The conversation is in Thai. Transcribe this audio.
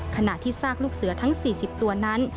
ขณะที่ซากลูกเสือทั้ง๔๐ตัวนั้น